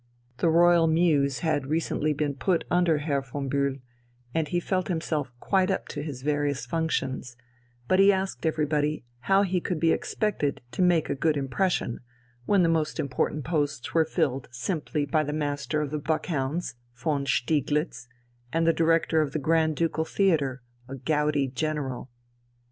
The Royal Mews had recently been put under Herr von Bühl, and he felt himself quite up to his various functions, but he asked everybody how he could be expected to make a good impression, when the most important posts were filled simply by the master of the Buck hounds, von Stieglitz, and the director of the Grand Ducal Theatre, a gouty general.